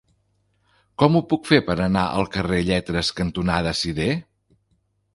Com ho puc fer per anar al carrer Lletres cantonada Sidé?